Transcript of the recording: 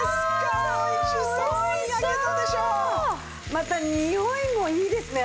またにおいもいいですね。